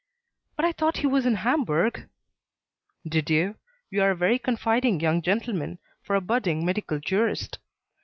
"But I thought he was in Hamburg?" "Did you? You are a very confiding young gentleman, for a budding medical jurist.